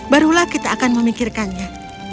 barulah kita akan memikirkannya